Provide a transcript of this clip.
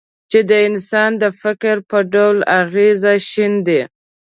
چې د انسان د فکر په ډول اغېز شیندي.